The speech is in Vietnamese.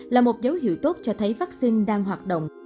là một dấu hiệu tốt cho thấy vắc xin đang hoạt động